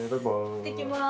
いってきます。